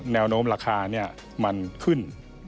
แนวโน้มราคามันขึ้น